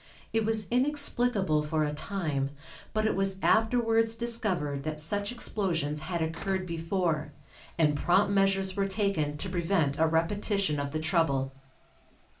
It was inexplicable for a time, but it was afterwards discovered that such explosions had occurred before, and prompt measures were taken to prevent a repetition of the trouble.